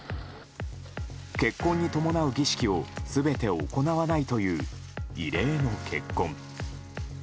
結婚に伴う儀式を全て行わないという異例の結婚。